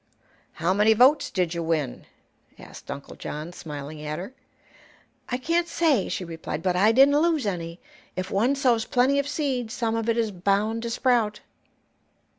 "How many votes did you win?" asked Uncle John, smiling at her. "I can't say," she replied; "but I didn't lose any. If one sows plenty of seed, some of it is bound to sprout."